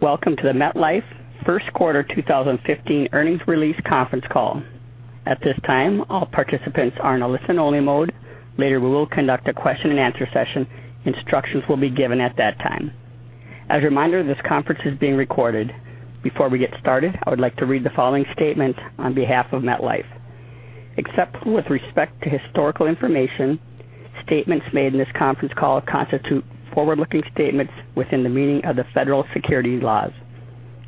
Welcome to the MetLife first quarter 2015 earnings release conference call. At this time, all participants are in a listen-only mode. Later, we will conduct a question-and-answer session. Instructions will be given at that time. As a reminder, this conference is being recorded. Before we get started, I would like to read the following statement on behalf of MetLife. Except with respect to historical information, statements made in this conference call constitute forward-looking statements within the meaning of the Federal Securities Laws,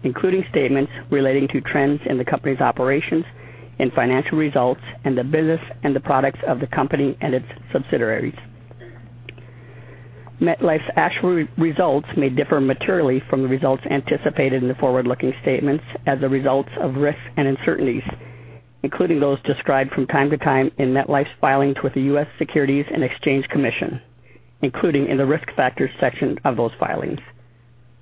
including statements relating to trends in the company's operations and financial results and the business and the products of the company and its subsidiaries. MetLife's actual results may differ materially from the results anticipated in the forward-looking statements as a result of risks and uncertainties, including those described from time to time in MetLife's filings with the U.S. Securities and Exchange Commission, including in the Risk Factors section of those filings.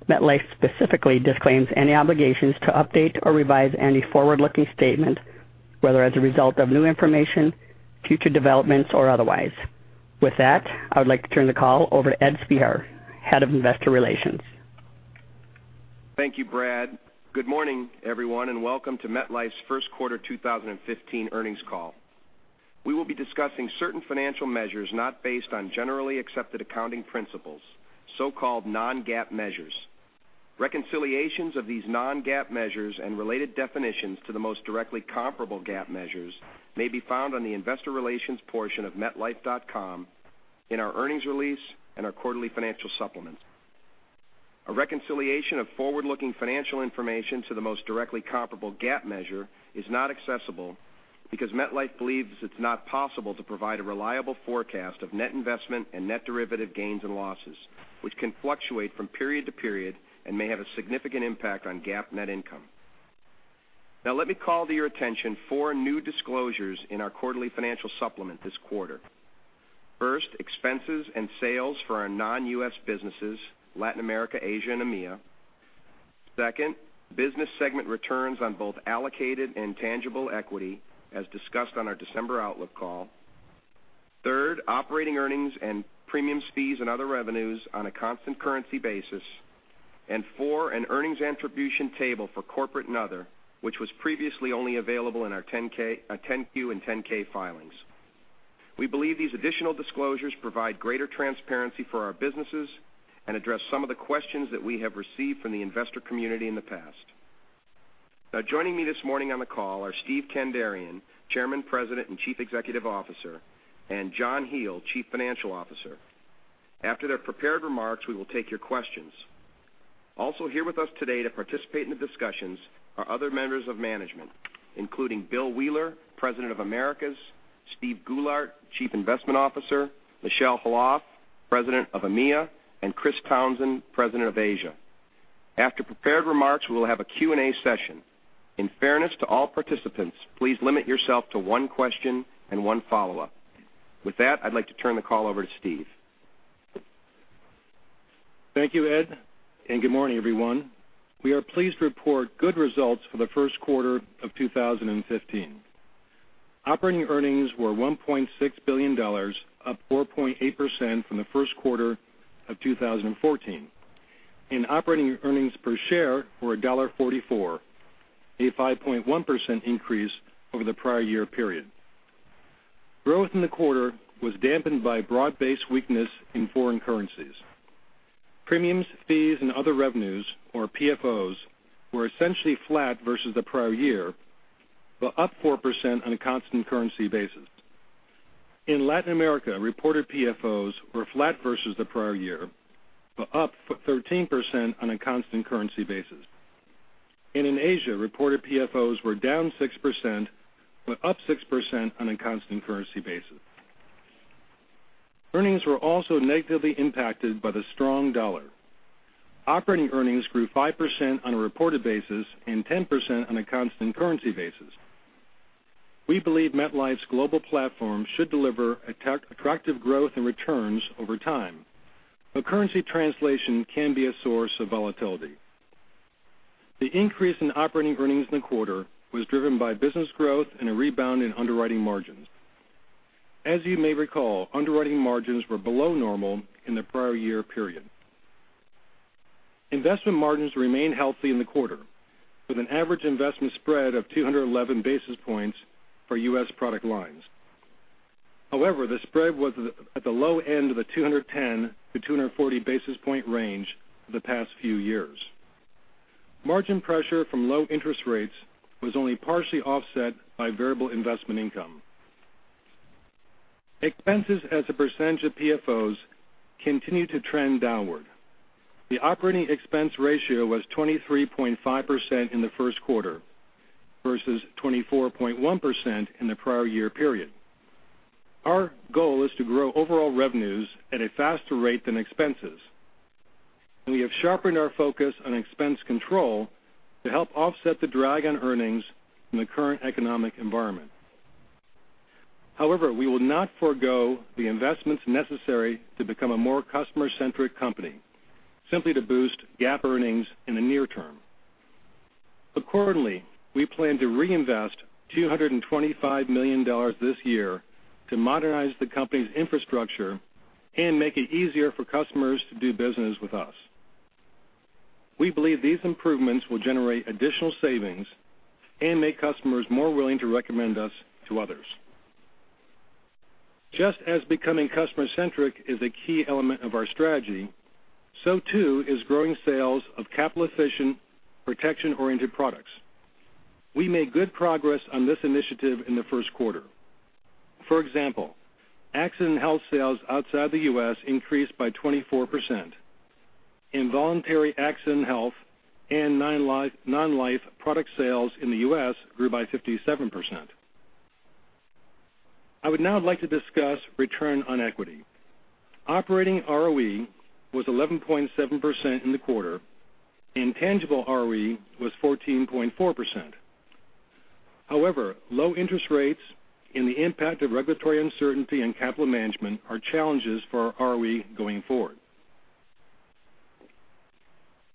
MetLife specifically disclaims any obligations to update or revise any forward-looking statement, whether as a result of new information, future developments, or otherwise. With that, I would like to turn the call over to Edward Spehar, Head of Investor Relations. Thank you, Brad. Good morning, everyone, and welcome to MetLife's first quarter 2015 earnings call. We will be discussing certain financial measures not based on generally accepted accounting principles, so-called non-GAAP measures. Reconciliations of these non-GAAP measures and related definitions to the most directly comparable GAAP measures may be found on the investor relations portion of metlife.com in our earnings release and our Quarterly Financial Supplement. A reconciliation of forward-looking financial information to the most directly comparable GAAP measure is not accessible because MetLife believes it's not possible to provide a reliable forecast of net investment and net derivative gains and losses, which can fluctuate from period to period and may have a significant impact on GAAP net income. Let me call to your attention four new disclosures in our Quarterly Financial Supplement this quarter. First, expenses and sales for our non-U.S. businesses, Latin America, Asia, and EMEA. Second, business segment returns on both allocated and tangible equity as discussed on our December outlook call. Third, operating earnings and premiums, fees, and other revenues on a constant currency basis. Four, an earnings attribution table for corporate and other, which was previously only available in our 10-Q and 10-K filings. We believe these additional disclosures provide greater transparency for our businesses and address some of the questions that we have received from the investor community in the past. Joining me this morning on the call are Steven Kandarian, Chairman, President, and Chief Executive Officer, and John Hele, Chief Financial Officer. After their prepared remarks, we will take your questions. Also here with us today to participate in the discussions are other members of management, including William Wheeler, President of Americas, Steven Goulart, Chief Investment Officer, Michel Khalaf, President of EMEA, and Christopher Townsend, President of Asia. After prepared remarks, we will have a Q&A session. In fairness to all participants, please limit yourself to one question and one follow-up. With that, I'd like to turn the call over to Steve. Thank you, Ed. Good morning, everyone. We are pleased to report good results for the first quarter of 2015. Operating earnings were $1.6 billion, up 4.8% from the first quarter of 2014, and operating earnings per share were $1.44, a 5.1% increase over the prior year period. Growth in the quarter was dampened by broad-based weakness in foreign currencies. Premiums, fees, and other revenues, or PFOs, were essentially flat versus the prior year, but up 4% on a constant currency basis. In Latin America, reported PFOs were flat versus the prior year, but up 13% on a constant currency basis. In Asia, reported PFOs were down 6%, but up 6% on a constant currency basis. Earnings were also negatively impacted by the strong dollar. Operating earnings grew 5% on a reported basis and 10% on a constant currency basis. We believe MetLife's global platform should deliver attractive growth in returns over time, but currency translation can be a source of volatility. The increase in operating earnings in the quarter was driven by business growth and a rebound in underwriting margins. As you may recall, underwriting margins were below normal in the prior year period. Investment margins remained healthy in the quarter, with an average investment spread of 211 basis points for U.S. product lines. However, the spread was at the low end of the 210 to 240 basis point range for the past few years. Margin pressure from low interest rates was only partially offset by variable investment income. Expenses as a percentage of PFOs continued to trend downward. The operating expense ratio was 23.5% in the first quarter versus 24.1% in the prior year period. Our goal is to grow overall revenues at a faster rate than expenses. We have sharpened our focus on expense control to help offset the drag on earnings from the current economic environment. However, we will not forego the investments necessary to become a more customer-centric company simply to boost GAAP earnings in the near term. Accordingly, we plan to reinvest $225 million this year to modernize the company's infrastructure and make it easier for customers to do business with us. We believe these improvements will generate additional savings and make customers more willing to recommend us to others. Just as becoming customer-centric is a key element of our strategy, so too is growing sales of capital-efficient, protection-oriented products. We made good progress on this initiative in the first quarter. For example, Accident Health sales outside the U.S. increased by 24%. In voluntary Accident & Health and non-life product sales in the U.S. grew by 57%. I would now like to discuss return on equity. Operating ROE was 11.7% in the quarter, and tangible ROE was 14.4%. However, low interest rates and the impact of regulatory uncertainty on capital management are challenges for our ROE going forward.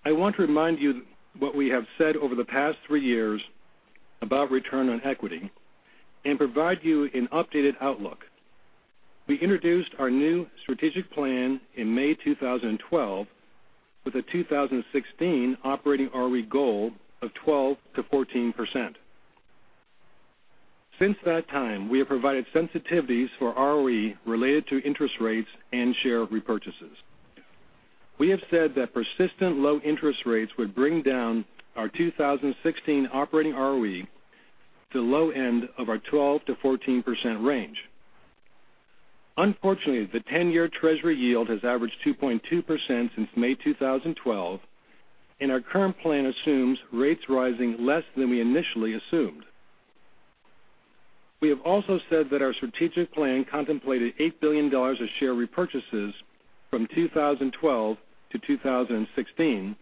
I want to remind you what we have said over the past three years about return on equity and provide you an updated outlook. We introduced our new strategic plan in May 2012 with a 2016 operating ROE goal of 12%-14%. Since that time, we have provided sensitivities for ROE related to interest rates and share repurchases. We have said that persistent low interest rates would bring down our 2016 operating ROE to the low end of our 12%-14% range. Unfortunately, the 10-year Treasury yield has averaged 2.2% since May 2012. Our current plan assumes rates rising less than we initially assumed. We have also said that our strategic plan contemplated $8 billion of share repurchases from 2012 to 2016,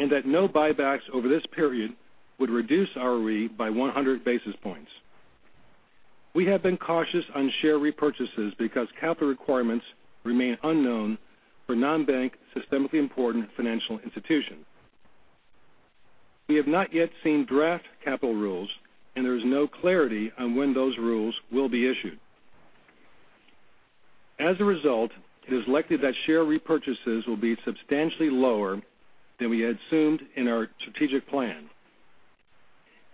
and that no buybacks over this period would reduce ROE by 100 basis points. We have been cautious on share repurchases because capital requirements remain unknown for non-bank systemically important financial institutions. We have not yet seen draft capital rules, and there is no clarity on when those rules will be issued. As a result, it is likely that share repurchases will be substantially lower than we had assumed in our strategic plan.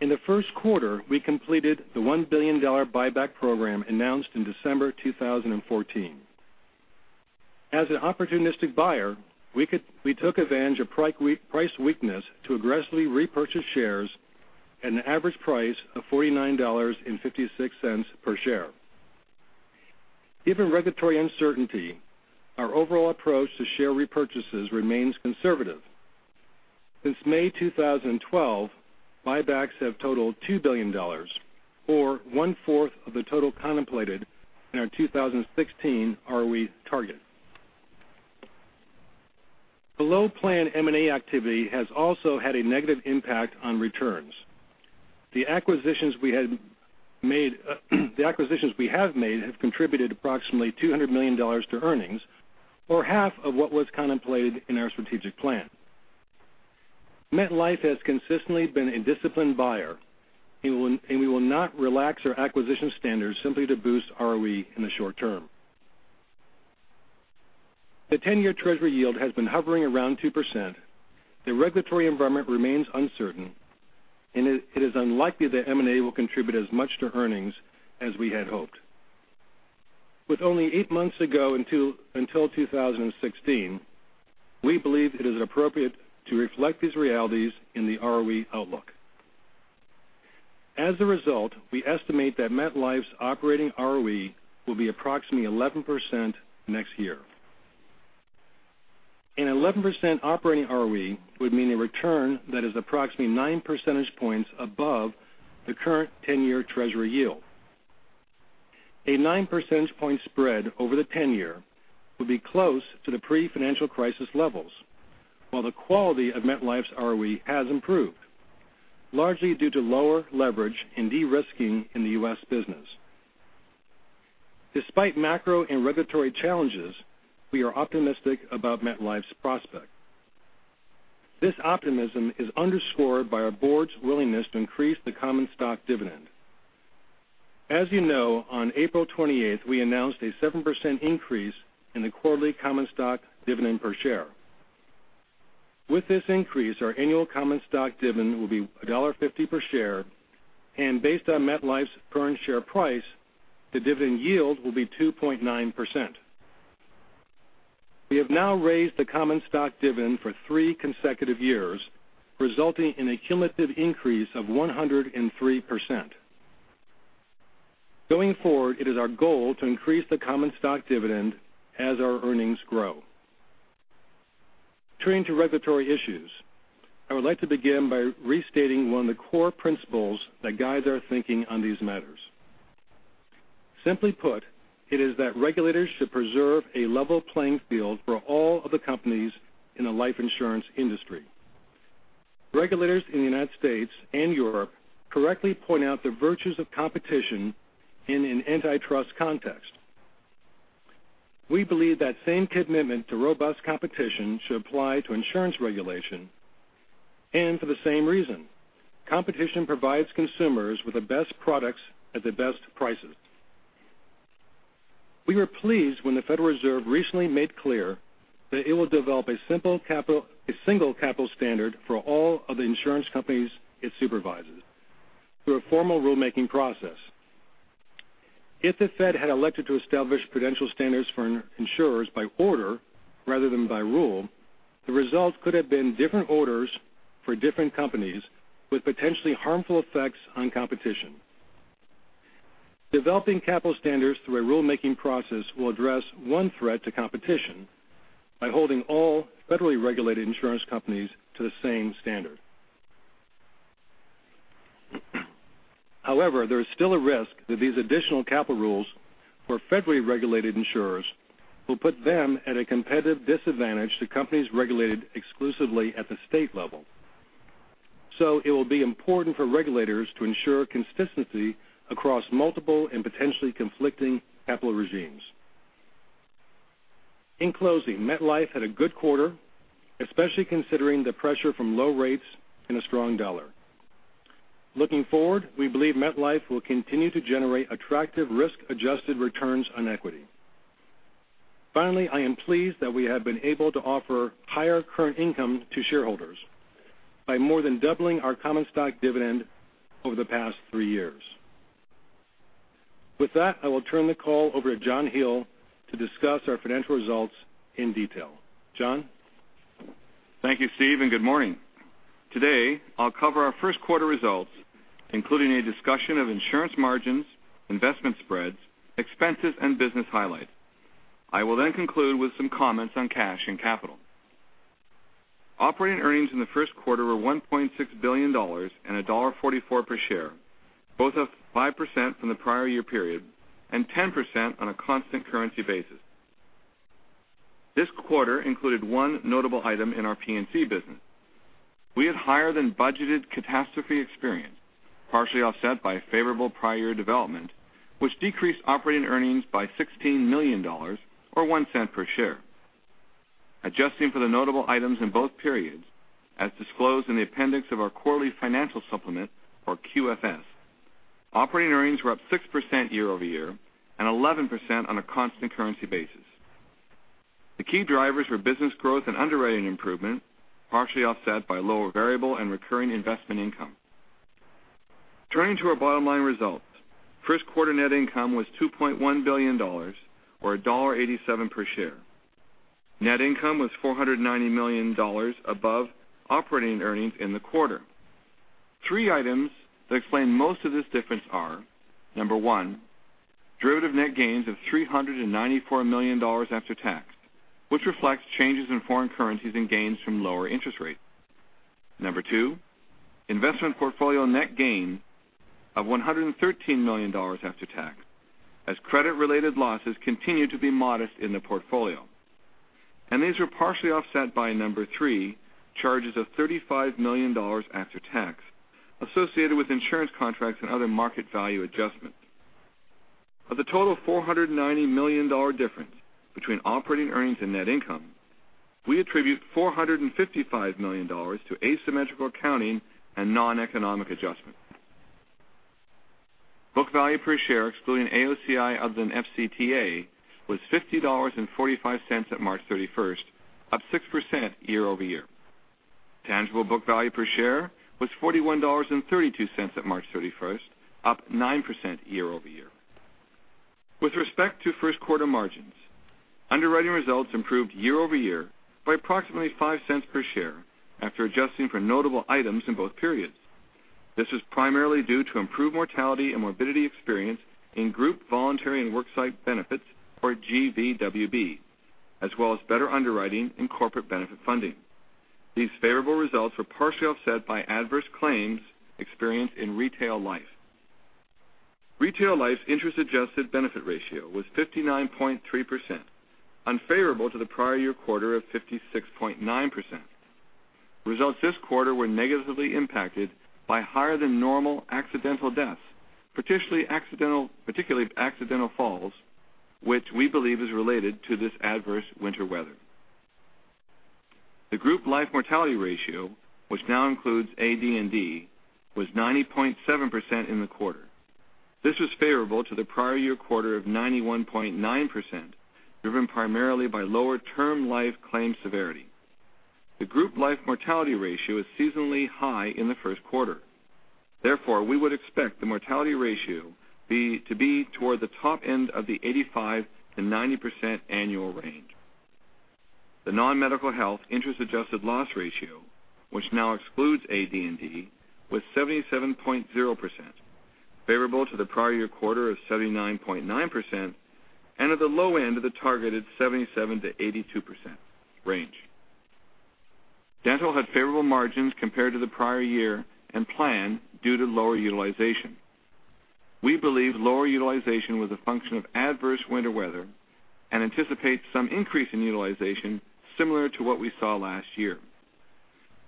In the first quarter, we completed the $1 billion buyback program announced in December 2014. As an opportunistic buyer, we took advantage of price weakness to aggressively repurchase shares at an average price of $49.56 per share. Given regulatory uncertainty, our overall approach to share repurchases remains conservative. Since May 2012, buybacks have totaled $2 billion, or one-fourth of the total contemplated in our 2016 ROE target. Below-plan M&A activity has also had a negative impact on returns. The acquisitions we have made have contributed approximately $200 million to earnings, or half of what was contemplated in our strategic plan. MetLife has consistently been a disciplined buyer, and we will not relax our acquisition standards simply to boost ROE in the short term. The 10-year Treasury yield has been hovering around 2%, the regulatory environment remains uncertain, and it is unlikely that M&A will contribute as much to earnings as we had hoped. With only eight months ago until 2016, we believe it is appropriate to reflect these realities in the ROE outlook. As a result, we estimate that MetLife's operating ROE will be approximately 11% next year. An 11% operating ROE would mean a return that is approximately nine percentage points above the current 10-year Treasury yield. A nine percentage point spread over the 10-year will be close to the pre-financial crisis levels, while the quality of MetLife's ROE has improved, largely due to lower leverage and de-risking in the U.S. business. Despite macro and regulatory challenges, we are optimistic about MetLife's prospect. This optimism is underscored by our board's willingness to increase the common stock dividend. As you know, on April 28th, we announced a 7% increase in the quarterly common stock dividend per share. With this increase, our annual common stock dividend will be $1.50 per share, and based on MetLife's current share price, the dividend yield will be 2.9%. We have now raised the common stock dividend for three consecutive years, resulting in a cumulative increase of 103%. Going forward, it is our goal to increase the common stock dividend as our earnings grow. Turning to regulatory issues, I would like to begin by restating one of the core principles that guides our thinking on these matters. Simply put, it is that regulators should preserve a level playing field for all of the companies in the life insurance industry. Regulators in the U.S. and Europe correctly point out the virtues of competition in an antitrust context. We believe that same commitment to robust competition should apply to insurance regulation, and for the same reason. Competition provides consumers with the best products at the best prices. We were pleased when the Federal Reserve recently made clear that it will develop a single capital standard for all of the insurance companies it supervises through a formal rulemaking process. If the Fed had elected to establish prudential standards for insurers by order rather than by rule, the result could have been different orders for different companies with potentially harmful effects on competition. Developing capital standards through a rulemaking process will address one threat to competition by holding all federally regulated insurance companies to the same standard. There is still a risk that these additional capital rules for federally regulated insurers will put them at a competitive disadvantage to companies regulated exclusively at the state level. It will be important for regulators to ensure consistency across multiple and potentially conflicting capital regimes. In closing, MetLife had a good quarter, especially considering the pressure from low rates and a strong dollar. Looking forward, we believe MetLife will continue to generate attractive risk-adjusted returns on equity. Finally, I am pleased that we have been able to offer higher current income to shareholders by more than doubling our common stock dividend over the past three years. With that, I will turn the call over to John Hele to discuss our financial results in detail. John? Thank you, Steve, and good morning. Today, I'll cover our first quarter results, including a discussion of insurance margins, investment spreads, expenses, and business highlights. I will then conclude with some comments on cash and capital. Operating earnings in the first quarter were $1.6 billion and $1.44 per share, both up 5% from the prior year period and 10% on a constant currency basis. This quarter included one notable item in our P&C business. We had higher than budgeted catastrophe experience, partially offset by a favorable prior year development, which decreased operating earnings by $16 million, or $0.01 per share. Adjusting for the notable items in both periods, as disclosed in the appendix of our quarterly financial supplement, or QFS, operating earnings were up 6% year-over-year and 11% on a constant currency basis. The key drivers were business growth and underwriting improvement, partially offset by lower variable and recurring investment income. Turning to our bottom line results. First quarter net income was $2.1 billion, or $1.87 per share. Net income was $490 million above operating earnings in the quarter. Three items that explain most of this difference are, number one, derivative net gains of $394 million after tax, which reflects changes in foreign currencies and gains from lower interest rates. Number two, investment portfolio net gain of $113 million after tax, as credit-related losses continued to be modest in the portfolio. These were partially offset by, number three, charges of $35 million after tax associated with insurance contracts and other market value adjustments. Of the total $490 million difference between operating earnings and net income, we attribute $455 million to asymmetrical accounting and non-economic adjustments. Book value per share, excluding AOCI other than FCTA, was $50.45 at March 31st, up 6% year-over-year. Tangible book value per share was $41.32 at March 31st, up 9% year-over-year. With respect to first quarter margins, underwriting results improved year-over-year by approximately $0.05 per share after adjusting for notable items in both periods. This was primarily due to improved mortality and morbidity experience in Group Voluntary and Worksite Benefits, or GVWB, as well as better underwriting in Corporate Benefit Funding. These favorable results were partially offset by adverse claims experienced in Retail Life. Retail Life's interest adjusted benefit ratio was 59.3%, unfavorable to the prior year quarter of 56.9%. Results this quarter were negatively impacted by higher than normal accidental deaths, particularly accidental falls, which we believe is related to this adverse winter weather. The Group Life mortality ratio, which now includes AD&D, was 90.7% in the quarter. This was favorable to the prior year quarter of 91.9%, driven primarily by lower term life claim severity. The Group Life mortality ratio is seasonally high in the first quarter. Therefore, we would expect the mortality ratio to be toward the top end of the 85%-90% annual range. The non-medical health interest adjusted loss ratio, which now excludes AD&D, was 77.0%, favorable to the prior year quarter of 79.9% and at the low end of the targeted 77%-82% range. Dental had favorable margins compared to the prior year and plan due to lower utilization. We believe lower utilization was a function of adverse winter weather and anticipate some increase in utilization similar to what we saw last year.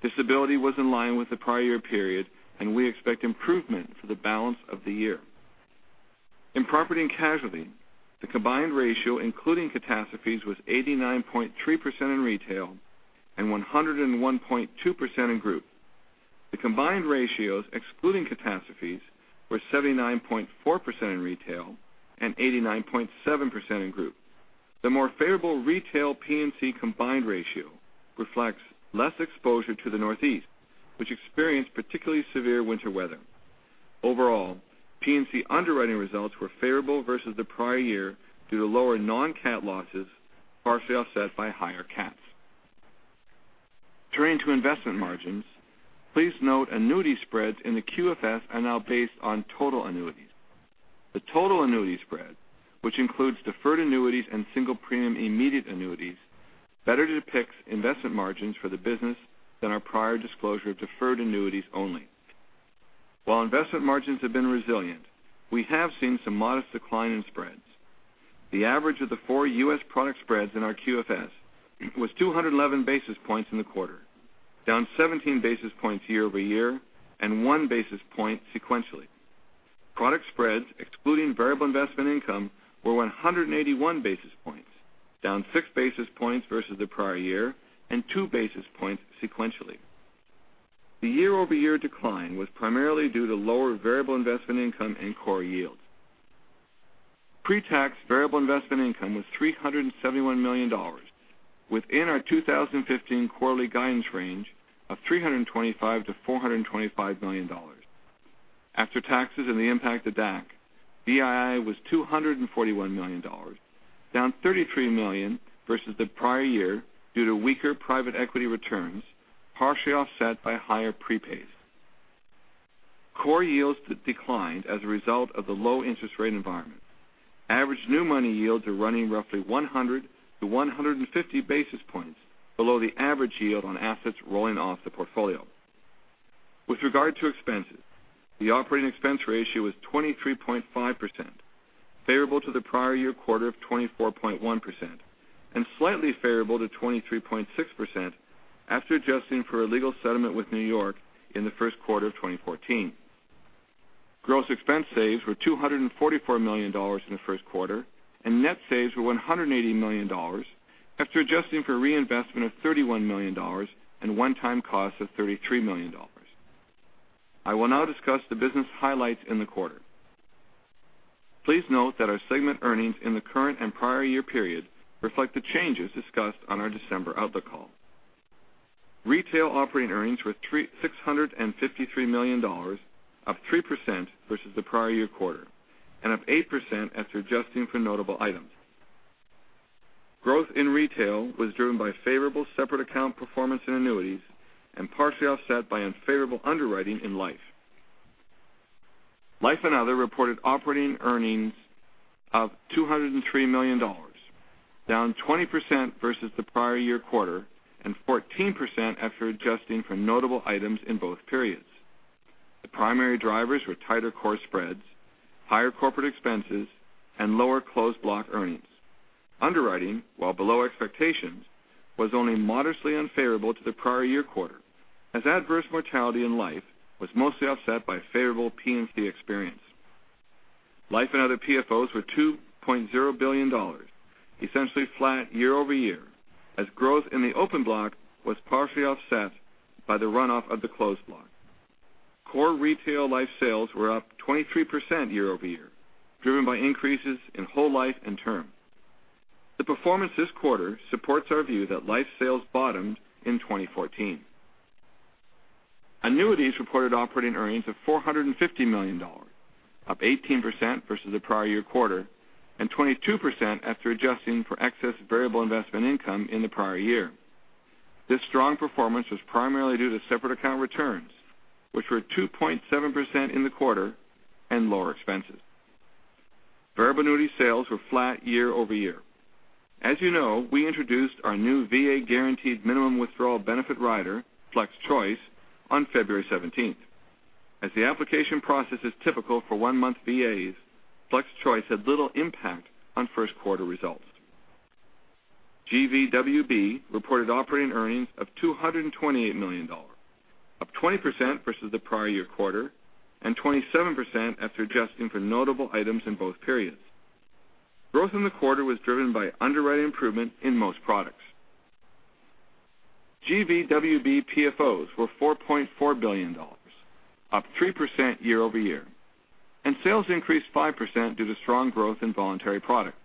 Disability was in line with the prior year period, and we expect improvement for the balance of the year. In Property and Casualty, the combined ratio, including catastrophes, was 89.3% in retail and 101.2% in group. The combined ratios, excluding catastrophes, were 79.4% in retail and 89.7% in group. The more favorable Retail P&C combined ratio reflects less exposure to the Northeast, which experienced particularly severe winter weather. Overall, P&C underwriting results were favorable versus the prior year due to lower non-cat losses, partially offset by higher cats. Turning to investment margins, please note annuity spreads in the QFS are now based on total annuities. The total annuity spread, which includes deferred annuities and single-premium immediate annuities, better depicts investment margins for the business than our prior disclosure of deferred annuities only. While investment margins have been resilient, we have seen some modest decline in spreads. The average of the four U.S. product spreads in our QFS was 211 basis points in the quarter, down 17 basis points year-over-year, and one basis point sequentially. Product spreads, excluding variable investment income, were 181 basis points, down six basis points versus the prior year and two basis points sequentially. The year-over-year decline was primarily due to lower variable investment income and core yields. Pre-tax variable investment income was $371 million, within our 2015 quarterly guidance range of $325 million-$425 million. After taxes and the impact of DAC, VII was $241 million, down $33 million versus the prior year due to weaker private equity returns, partially offset by higher prepays. Core yields declined as a result of the low interest rate environment. Average new money yields are running roughly 100 to 150 basis points below the average yield on assets rolling off the portfolio. With regard to expenses, the operating expense ratio was 23.5%, favorable to the prior year quarter of 24.1% and slightly favorable to 23.6% after adjusting for a legal settlement with New York in the first quarter of 2014. Gross expense saves were $244 million in the first quarter, and net saves were $180 million after adjusting for reinvestment of $31 million and one-time cost of $33 million. I will now discuss the business highlights in the quarter. Please note that our segment earnings in the current and prior year period reflect the changes discussed on our December outlook call. Retail operating earnings were $653 million, up 3% versus the prior year quarter, and up 8% after adjusting for notable items. Growth in retail was driven by favorable separate account performance and annuities, and partially offset by unfavorable underwriting in life. Life and other reported operating earnings of $203 million, down 20% versus the prior year quarter and 14% after adjusting for notable items in both periods. The primary drivers were tighter core spreads, higher corporate expenses, and lower closed block earnings. Underwriting, while below expectations, was only modestly unfavorable to the prior year quarter, as adverse mortality in life was mostly offset by favorable P&C experience. Life and other PFOs were $2.0 billion, essentially flat year-over-year, as growth in the open block was partially offset by the runoff of the closed block. Core retail life sales were up 23% year-over-year, driven by increases in whole life and term. The performance this quarter supports our view that life sales bottomed in 2014. Annuities reported operating earnings of $450 million, up 18% versus the prior year quarter, and 22% after adjusting for excess variable investment income in the prior year. This strong performance was primarily due to separate account returns, which were 2.7% in the quarter and lower expenses. Variable annuity sales were flat year-over-year. As you know, we introduced our new VA guaranteed minimum withdrawal benefit rider, FlexChoice, on February 17th. As the application process is typical for one-month VAs, FlexChoice had little impact on first quarter results. GVWB reported operating earnings of $228 million, up 20% versus the prior year quarter and 27% after adjusting for notable items in both periods. Growth in the quarter was driven by underwriting improvement in most products. GVWB PFOs were $4.4 billion, up 3% year-over-year, and sales increased 5% due to strong growth in voluntary product.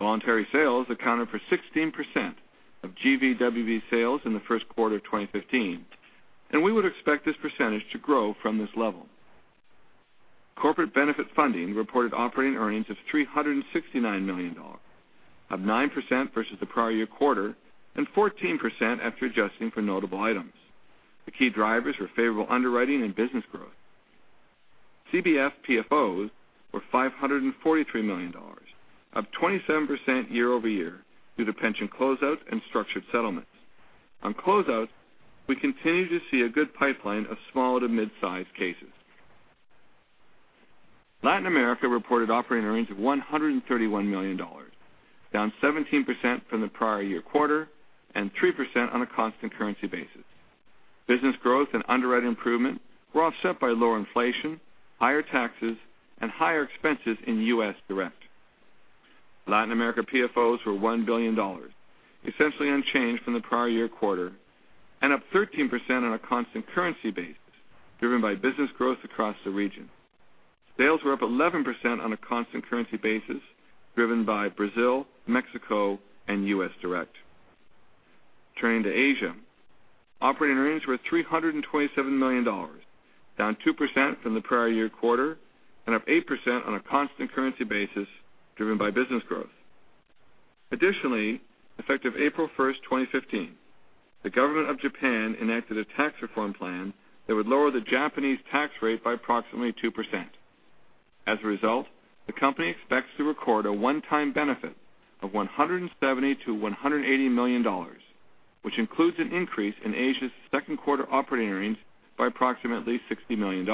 Voluntary sales accounted for 16% of GVWB sales in the first quarter of 2015. We would expect this percentage to grow from this level. Corporate Benefit Funding reported operating earnings of $369 million, up 9% versus the prior year quarter and 14% after adjusting for notable items. The key drivers were favorable underwriting and business growth. CBF PFOs were $543 million, up 27% year-over-year due to pension closeouts and structured settlements. On closeouts, we continue to see a good pipeline of small to mid-size cases. Latin America reported operating earnings of $131 million, down 17% from the prior year quarter and 3% on a constant currency basis. Business growth and underwriting improvement were offset by lower inflation, higher taxes, and higher expenses in U.S. direct. Latin America PFOs were $1 billion, essentially unchanged from the prior year quarter, and up 13% on a constant currency basis, driven by business growth across the region. Sales were up 11% on a constant currency basis, driven by Brazil, Mexico, and U.S. direct. Turning to Asia. Operating earnings were $327 million, down 2% from the prior year quarter, and up 8% on a constant currency basis, driven by business growth. Additionally, effective April 1st, 2015, the government of Japan enacted a tax reform plan that would lower the Japanese tax rate by approximately 2%. As a result, the company expects to record a one-time benefit of $170 million-$180 million, which includes an increase in Asia's second quarter operating earnings by approximately $60 million.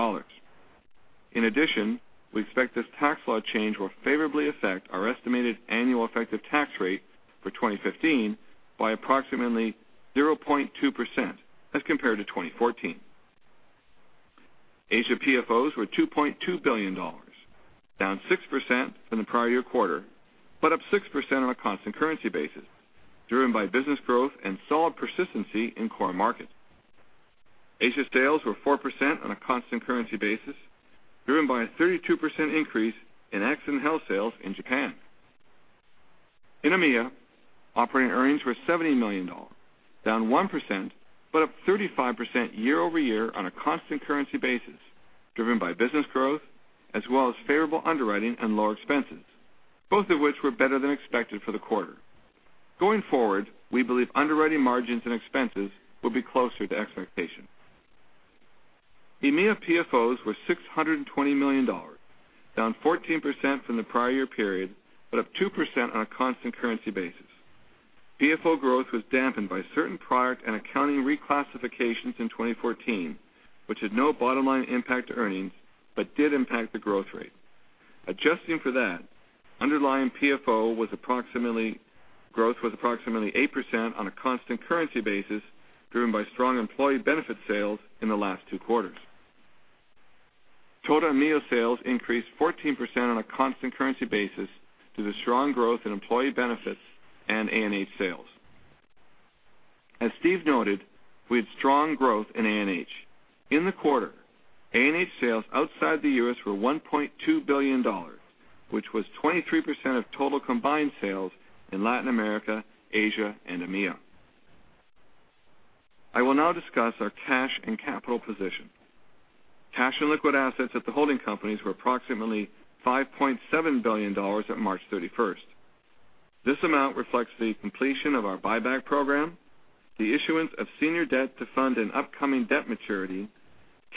In addition, we expect this tax law change will favorably affect our estimated annual effective tax rate for 2015 by approximately 0.2% as compared to 2014. Asia PFOs were $2.2 billion, down 6% from the prior year quarter, but up 6% on a constant currency basis, driven by business growth and solid persistency in core markets. Asia sales were 4% on a constant currency basis, driven by a 32% increase in Accident & Health sales in Japan. In EMEA, operating earnings were $70 million, down 1%, but up 35% year-over-year on a constant currency basis, driven by business growth as well as favorable underwriting and lower expenses, both of which were better than expected for the quarter. Going forward, we believe underwriting margins and expenses will be closer to expectation. EMEA PFOs were $620 million, down 14% from the prior year period, but up 2% on a constant currency basis. PFO growth was dampened by certain product and accounting reclassifications in 2014, which had no bottom-line impact to earnings but did impact the growth rate. Adjusting for that, underlying PFO growth was approximately 8% on a constant currency basis, driven by strong employee benefit sales in the last two quarters. Total EMEA sales increased 14% on a constant currency basis due to strong growth in employee benefits and A&H sales. As Steve noted, we had strong growth in A&H. In the quarter, A&H sales outside the U.S. were $1.2 billion, which was 23% of total combined sales in Latin America, Asia, and EMEA. I will now discuss our cash and capital position. Cash and liquid assets at the holding companies were approximately $5.7 billion at March 31st. This amount reflects the completion of our buyback program, the issuance of senior debt to fund an upcoming debt maturity,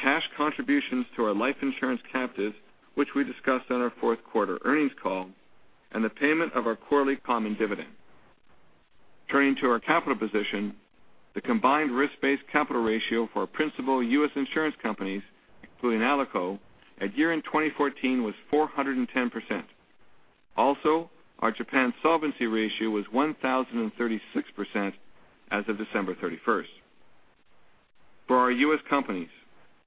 cash contributions to our life insurance captive, which we discussed on our fourth quarter earnings call, and the payment of our quarterly common dividend. Turning to our capital position, the combined risk-based capital ratio for our principal U.S. insurance companies, including ALICO, at year-end 2014 was 410%. Also, our Japan solvency ratio was 1,036% as of December 31st. For our U.S. companies,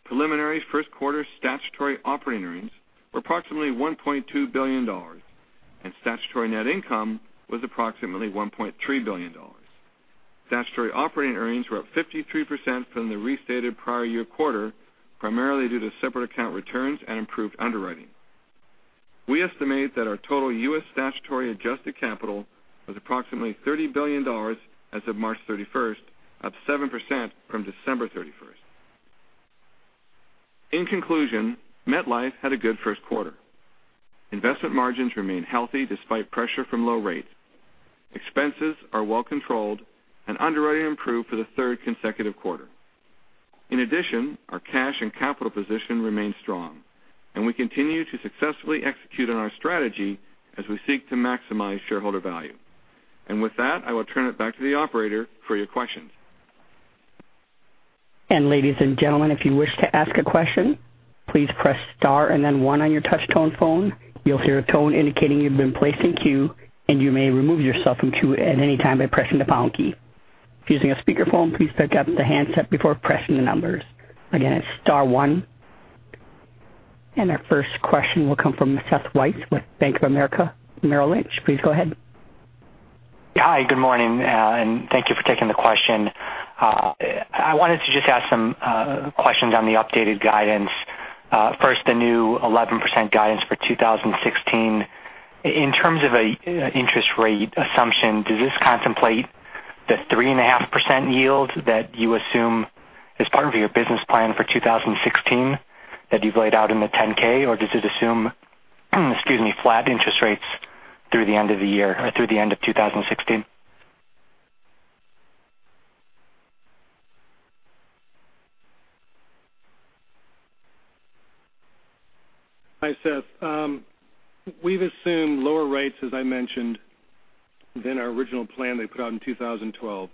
preliminary first quarter statutory operating earnings were approximately $1.2 billion, and statutory net income was approximately $1.3 billion. Statutory operating earnings were up 53% from the restated prior year quarter, primarily due to separate account returns and improved underwriting. We estimate that our total U.S. statutory adjusted capital was approximately $30 billion as of March 31st, up 7% from December 31st. In conclusion, MetLife had a good first quarter. Investment margins remain healthy despite pressure from low rates. Expenses are well controlled, and underwriting improved for the third consecutive quarter. In addition, our cash and capital position remains strong, and we continue to successfully execute on our strategy as we seek to maximize shareholder value. With that, I will turn it back to the operator for your questions. Ladies and gentlemen, if you wish to ask a question, please press star and then one on your touch tone phone. You'll hear a tone indicating you've been placed in queue, and you may remove yourself from queue at any time by pressing the pound key. If using a speakerphone, please pick up the handset before pressing the numbers. Again, it's star one. Our first question will come from Seth Weiss with Bank of America Merrill Lynch. Please go ahead. Hi, good morning, and thank you for taking the question. I wanted to just ask some questions on the updated guidance. First, the new 11% guidance for 2016. In terms of an interest rate assumption, does this contemplate the 3.5% yield that you assume as part of your business plan for 2016 that you've laid out in the 10-K? Or does it assume flat interest rates through the end of the year or through the end of 2016? Hi, Seth. We've assumed lower rates, as I mentioned Than our original plan they put out in 2012.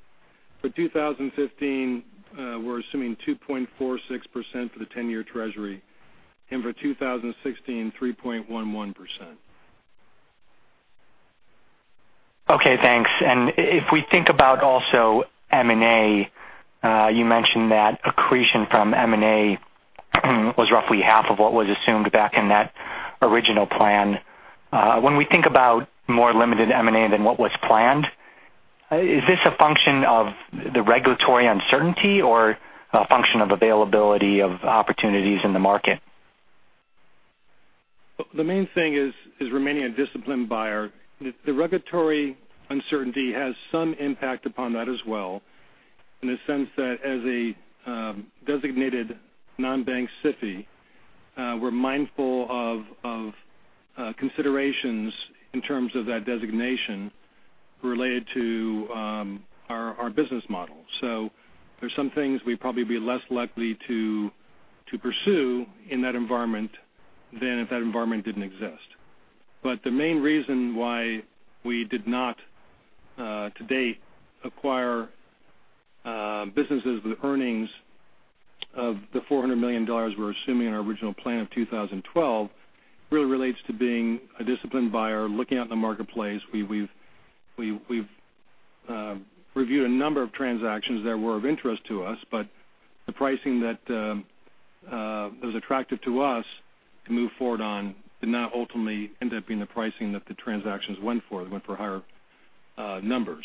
For 2015, we're assuming 2.46% for the 10-year Treasury, for 2016, 3.11%. Okay, thanks. If we think about also M&A, you mentioned that accretion from M&A was roughly half of what was assumed back in that original plan. When we think about more limited M&A than what was planned, is this a function of the regulatory uncertainty or a function of availability of opportunities in the market? The main thing is remaining a disciplined buyer. The regulatory uncertainty has some impact upon that as well, in the sense that as a designated non-bank SIFI, we're mindful of considerations in terms of that designation related to our business model. There's some things we'd probably be less likely to pursue in that environment than if that environment didn't exist. The main reason why we did not, to date, acquire businesses with earnings of the $400 million we were assuming in our original plan of 2012 really relates to being a disciplined buyer looking out in the marketplace. We've reviewed a number of transactions that were of interest to us, the pricing that was attractive to us to move forward on did not ultimately end up being the pricing that the transactions went for. They went for higher numbers.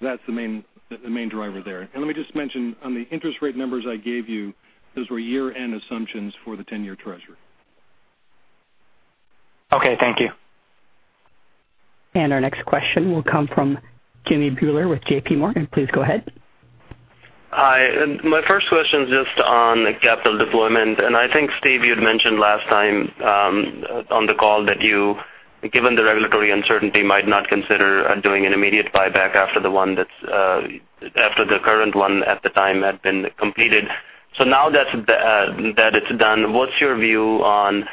That's the main driver there. Let me just mention on the interest rate numbers I gave you, those were year-end assumptions for the 10-year Treasury. Okay, thank you. Our next question will come from Jimmy Bhullar with JPMorgan. Please go ahead. Hi. My first question is just on capital deployment. I think, Steve, you'd mentioned last time on the call that you, given the regulatory uncertainty, might not consider doing an immediate buyback after the current one at the time had been completed. Now that it's done, what's your view on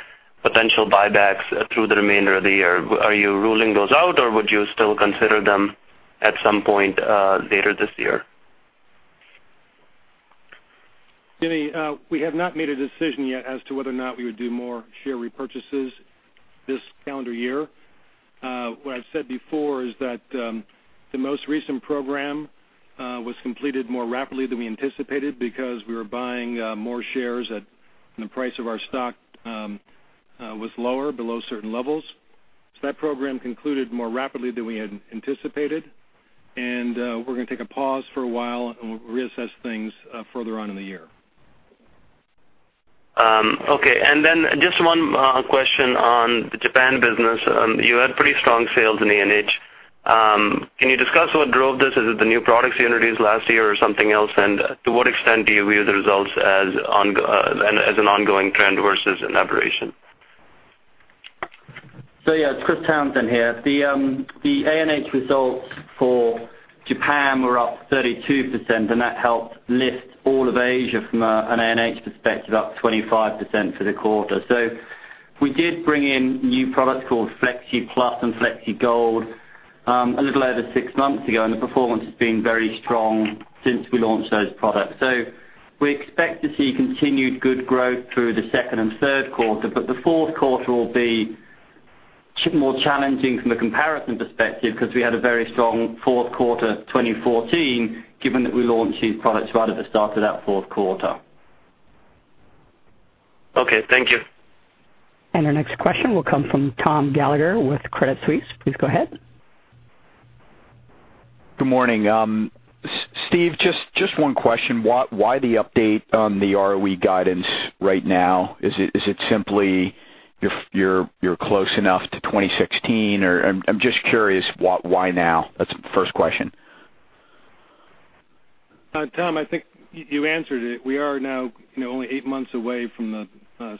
potential buybacks through the remainder of the year? Are you ruling those out, or would you still consider them at some point later this year? Jimmy, we have not made a decision yet as to whether or not we would do more share repurchases this calendar year. What I've said before is that the most recent program was completed more rapidly than we anticipated because we were buying more shares when the price of our stock was lower, below certain levels. That program concluded more rapidly than we had anticipated, and we're going to take a pause for a while, and we'll reassess things further on in the year. Okay. Just one question on the Japan business. You had pretty strong sales in A&H. Can you discuss what drove this? Is it the new products you introduced last year or something else? To what extent do you view the results as an ongoing trend versus an aberration? Yeah. Christopher Townsend here. The A&H results for Japan were up 32%, and that helped lift all of Asia from an A&H perspective up 25% for the quarter. We did bring in new products called Flexi Plus and Flexi Gold a little over six months ago, and the performance has been very strong since we launched those products. We expect to see continued good growth through the second and third quarter, but the fourth quarter will be more challenging from a comparison perspective because we had a very strong fourth quarter 2014, given that we launched these products right at the start of that fourth quarter. Okay, thank you. Our next question will come from Thomas Gallagher with Credit Suisse. Please go ahead. Good morning. Steve, just one question. Why the update on the ROE guidance right now? Is it simply you're close enough to 2016, or I'm just curious why now? That's the first question. Tom, I think you answered it. We are now only eight months away from the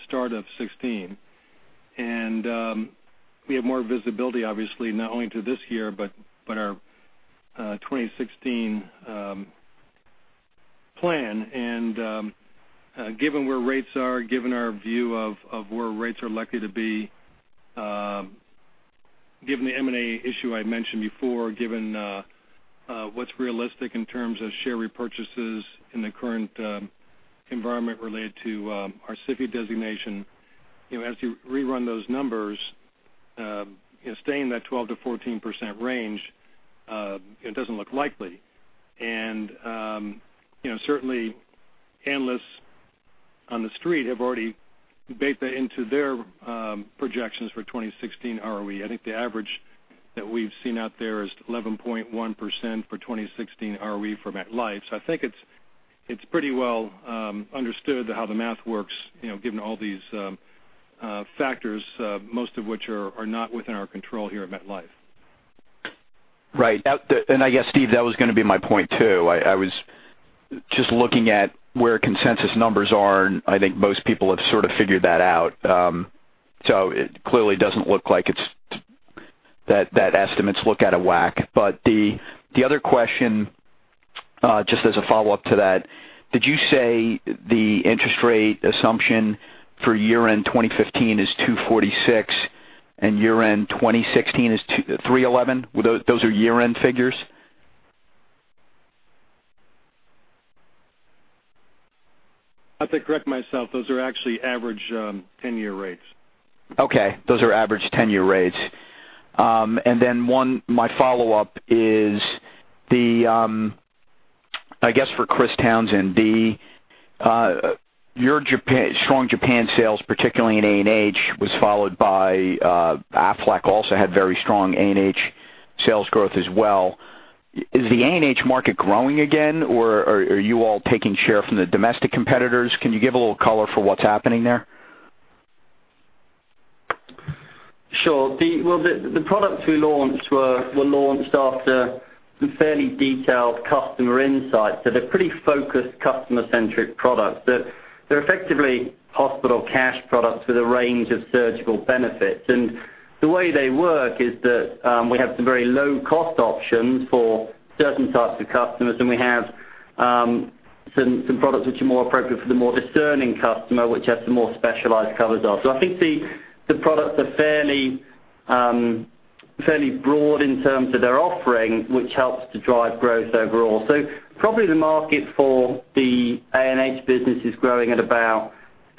start of 2016. We have more visibility, obviously, not only to this year but our 2016 plan. Given where rates are, given our view of where rates are likely to be, given the M&A issue I mentioned before, given what's realistic in terms of share repurchases in the current environment related to our SIFI designation. As you rerun those numbers, staying in that 12%-14% range, it doesn't look likely. Certainly, analysts on the street have already baked that into their projections for 2016 ROE. I think the average that we've seen out there is 11.1% for 2016 ROE for MetLife. I think it's pretty well understood how the math works given all these factors, most of which are not within our control here at MetLife. Right. I guess, Steve, that was going to be my point too. I was just looking at where consensus numbers are, and I think most people have sort of figured that out. It clearly doesn't look like that estimates look out of whack. The other question Just as a follow-up to that, did you say the interest rate assumption for year-end 2015 is 246 and year-end 2016 is 311? Those are year-end figures? I have to correct myself. Those are actually average 10-year rates. Okay. Those are average 10-year rates. My follow-up is, I guess for Christopher Townsend. Your strong Japan sales, particularly in A&H, was followed by Aflac also had very strong A&H sales growth as well. Is the A&H market growing again, or are you all taking share from the domestic competitors? Can you give a little color for what's happening there? Sure. The products we launched were launched after some fairly detailed customer insights. They're pretty focused customer-centric products. They're effectively hospital cash products with a range of surgical benefits. The way they work is that we have some very low-cost options for certain types of customers, and we have some products which are more appropriate for the more discerning customer, which have some more specialized covers. I think the products are fairly broad in terms of their offering, which helps to drive growth overall. Probably the market for the A&H business is growing at about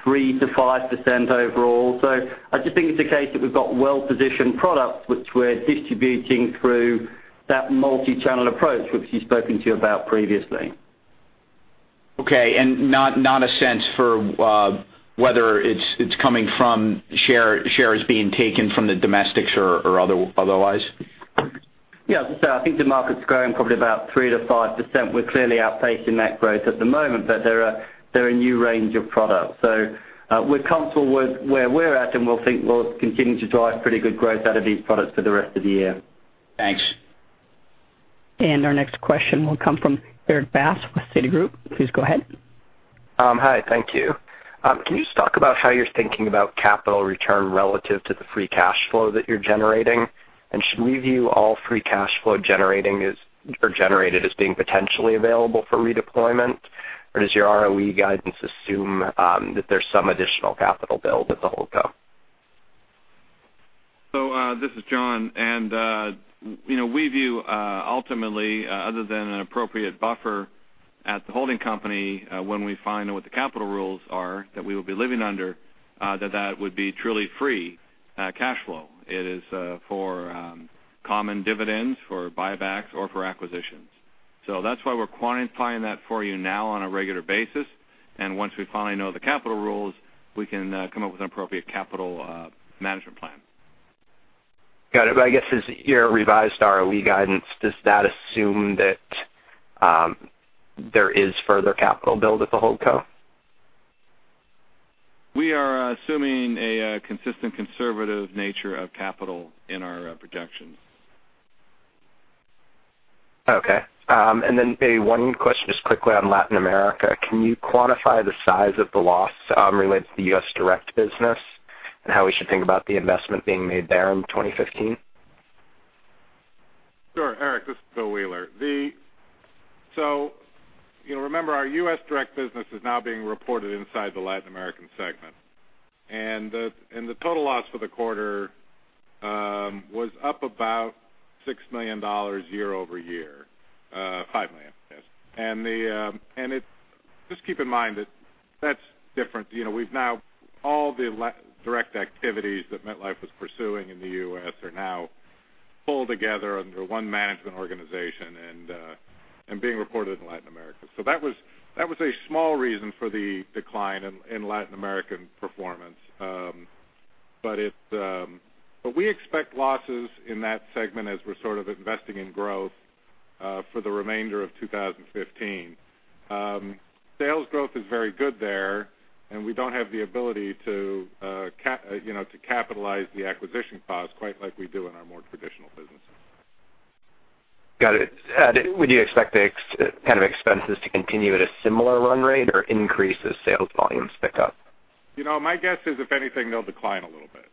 3%-5% overall. I just think it's a case that we've got well-positioned products which we're distributing through that multi-channel approach, which we've spoken to you about previously. Okay, not a sense for whether it's coming from shares being taken from the domestics or otherwise? Yeah. I think the market's growing probably about 3%-5%. We're clearly outpacing that growth at the moment, but they're a new range of products. We're comfortable with where we're at, and we think we'll continue to drive pretty good growth out of these products for the rest of the year. Thanks. Our next question will come from Erik Bass with Citigroup. Please go ahead. Hi, thank you. Can you just talk about how you're thinking about capital return relative to the free cash flow that you're generating? Should we view all free cash flow generated as being potentially available for redeployment? Or does your ROE guidance assume that there's some additional capital build at the holdco? This is John. We view ultimately, other than an appropriate buffer at the holding company, when we find out what the capital rules are that we will be living under, that that would be truly free cash flow. It is for common dividends, for buybacks, or for acquisitions. That's why we're quantifying that for you now on a regular basis. Once we finally know the capital rules, we can come up with an appropriate capital management plan. Got it. I guess as your revised ROE guidance, does that assume that there is further capital build at the holdco? We are assuming a consistent conservative nature of capital in our projections. Okay. One question just quickly on Latin America. Can you quantify the size of the loss related to the U.S. direct business and how we should think about the investment being made there in 2015? Sure, Erik, this is William Wheeler. Remember, our U.S. direct business is now being reported inside the Latin American segment, and the total loss for the quarter was up about $6 million year-over-year. $5 million, yes. Just keep in mind that that's different. All the direct activities that MetLife was pursuing in the U.S. are now pulled together under one management organization and being reported in Latin America. That was a small reason for the decline in Latin American performance. We expect losses in that segment as we're sort of investing in growth for the remainder of 2015. Sales growth is very good there, and we don't have the ability to capitalize the acquisition costs quite like we do in our more traditional businesses. Got it. Would you expect the kind of expenses to continue at a similar run rate or increase as sales volumes pick up? My guess is if anything, they'll decline a little bit.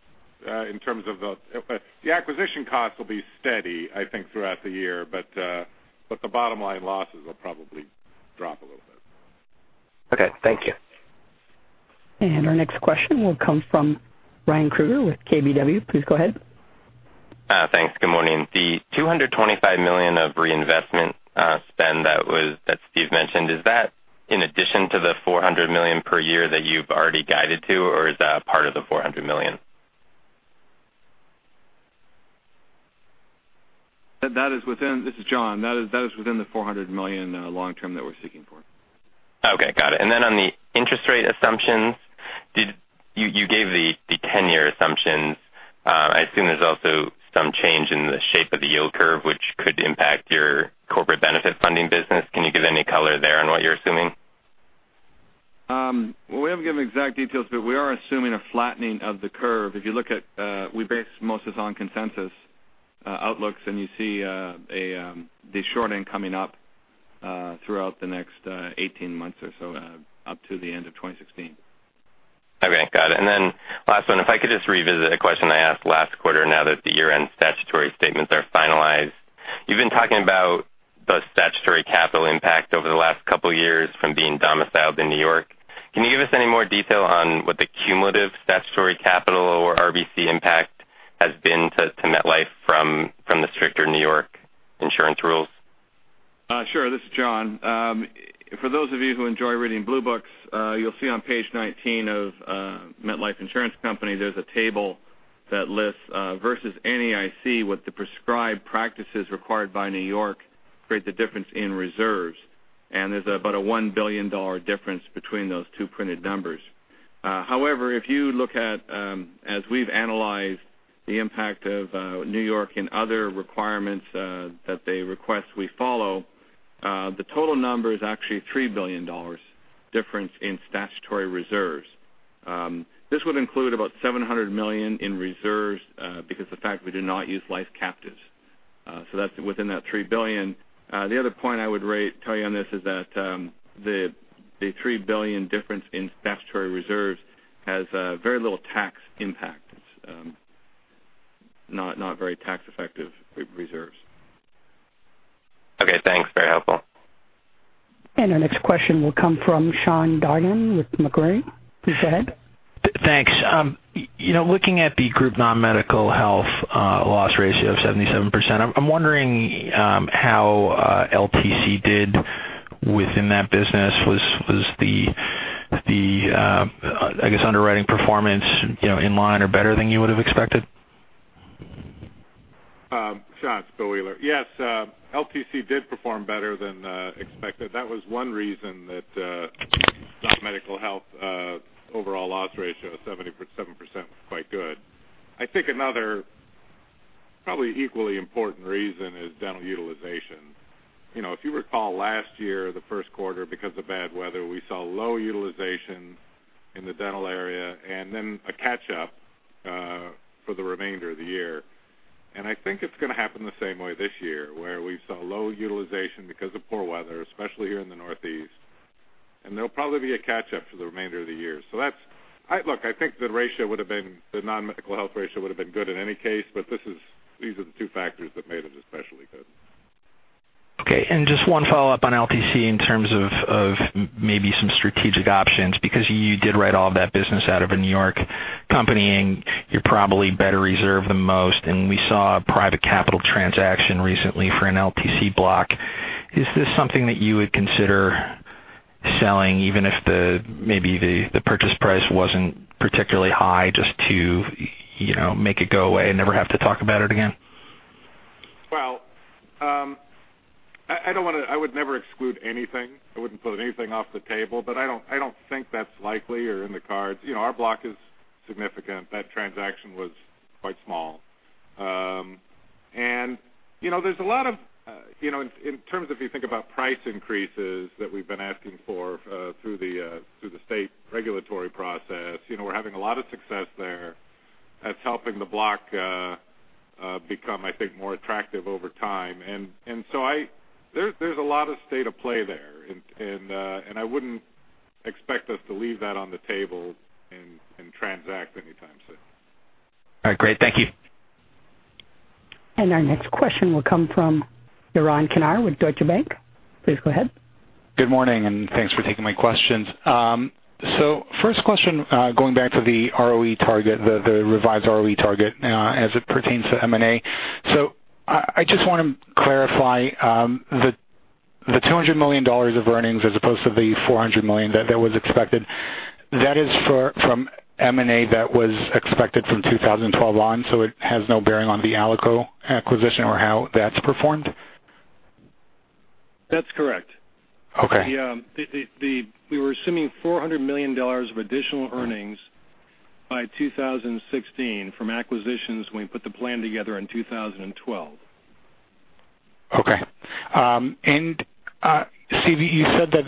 The acquisition costs will be steady, I think, throughout the year, but the bottom line losses will probably drop a little bit. Okay, thank you. Our next question will come from Ryan Krueger with KBW. Please go ahead. Thanks. Good morning. The $225 million of reinvestment spend that Steve mentioned, is that in addition to the $400 million per year that you've already guided to, or is that part of the $400 million? This is John. That is within the $400 million long term that we're seeking for. Okay, got it. Then on the interest rate assumptions, you gave the 10-year assumptions. I assume there's also some change in the shape of the yield curve, which could impact your Corporate Benefit Funding business. Can you give any color there on what you're assuming? We haven't given exact details, we are assuming a flattening of the curve. We base most of this on consensus outlooks, you see the short-end coming up throughout the next 18 months or so up to the end of 2016. Okay. Got it. Last one, if I could just revisit a question I asked last quarter now that the year-end statutory statements are finalized. You've been talking about the statutory capital impact over the last couple of years from being domiciled in New York. Can you give us any more detail on what the cumulative statutory capital or RBC impact has been to MetLife from the stricter New York insurance rules? Sure. This is John. For those of you who enjoy reading Blue Books, you'll see on page 19 of Metropolitan Life Insurance Company, there's a table that lists versus NAIC what the prescribed practices required by New York create the difference in reserves. There's about a $1 billion difference between those two printed numbers. However, if you look at as we've analyzed the impact of New York and other requirements that they request we follow, the total number is actually $3 billion difference in statutory reserves. This would include about $700 million in reserves because the fact we do not use life captives. That's within that $3 billion. The other point I would tell you on this is that the $3 billion difference in statutory reserves has very little tax impact. It's not very tax effective reserves. Okay, thanks. Very helpful. Our next question will come from Sean Dargan with Macquarie. Please go ahead. Thanks. Looking at the group non-medical health loss ratio of 77%, I'm wondering how LTC did within that business. Was the, I guess, underwriting performance in line or better than you would have expected? Sean, it's William Wheeler. Yes, LTC did perform better than expected. That was one reason that non-medical health overall loss ratio of 77% was quite good. I think another probably equally important reason is dental utilization. If you recall last year, the first quarter, because of bad weather, we saw low utilization in the dental area and then a catch up for the remainder of the year. I think it's going to happen the same way this year, where we saw low utilization because of poor weather, especially here in the northeast. There'll probably be a catch up for the remainder of the year. Look, I think the non-medical health ratio would have been good in any case, these are the two factors that made it especially good. Okay. Just one follow-up on LTC in terms of maybe some strategic options, because you did write all of that business out of a New York company, you're probably better reserved than most, we saw a private capital transaction recently for an LTC block. Is this something that you would consider selling even if maybe the purchase price wasn't particularly high just to make it go away and never have to talk about it again? Well, I would never exclude anything. I wouldn't put anything off the table, I don't think that's likely or in the cards. Our block is significant. That transaction was quite small. In terms of you think about price increases that we've been asking for through the state regulatory process, we're having a lot of success there. That's helping the block become, I think, more attractive over time. There's a lot of state of play there, I wouldn't expect us to leave that on the table and transact anytime soon. All right, great. Thank you. Our next question will come from Yaron Kinar with Deutsche Bank. Please go ahead. Good morning, thanks for taking my questions. First question, going back to the ROE target, the revised ROE target as it pertains to M&A. I just want to clarify the $200 million of earnings as opposed to the $400 million that was expected. That is from M&A that was expected from 2012 on, it has no bearing on the Alico acquisition or how that's performed? That's correct. Okay. We were assuming $400 million of additional earnings by 2016 from acquisitions when we put the plan together in 2012. Okay. Steve, you said that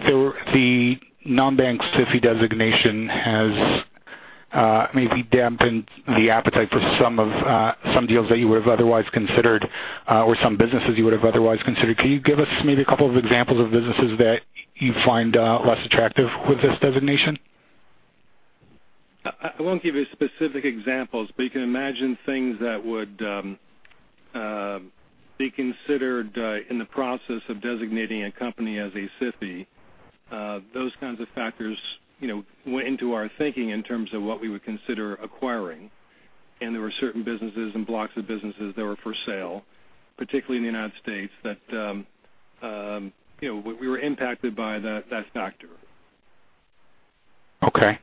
the non-bank SIFI designation has maybe dampened the appetite for some deals that you would have otherwise considered or some businesses you would have otherwise considered. Can you give us maybe a couple of examples of businesses that you find less attractive with this designation? I won't give you specific examples. You can imagine things that would be considered in the process of designating a company as a SIFI. Those kinds of factors went into our thinking in terms of what we would consider acquiring. There were certain businesses and blocks of businesses that were for sale, particularly in the United States, that we were impacted by that factor. Okay.